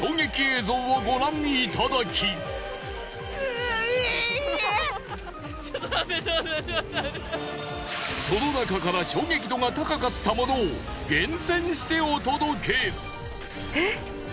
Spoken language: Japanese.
全国の方々にその中から衝撃度が高かったものを厳選してお届け！